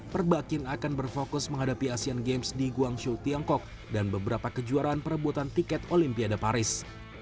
perbakin akan berfokus menghadapi asean games di guangzhou tiongkok dan beberapa kejuaraan perebutan tiket olimpiade paris